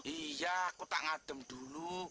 iya aku tak ngadem dulu